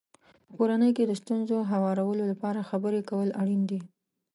په کورنۍ کې د ستونزو هوارولو لپاره خبرې کول اړین دي.